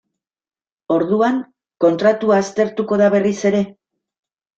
Orduan kontratua aztertuko da berriz ere?